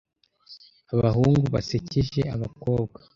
Abahungu basekeje abakobwa.